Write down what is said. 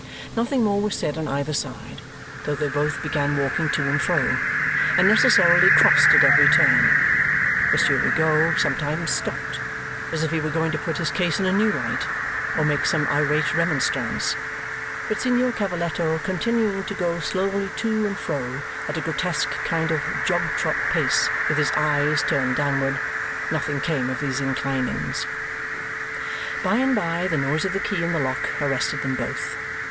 Nothing more was said on either side, though they both began walking to and fro, and necessarily crossed at every turn. Monsieur Rigaud sometimes stopped, as if he were going to put his case in a new light, or make some irate remonstrance; but Signor Cavalletto continuing to go slowly to and fro at a grotesque kind of jog trot pace with his eyes turned downward, nothing came of these inclinings. By and by the noise of the key in the lock arrested them both.